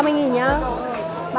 ba mươi nghìn nhá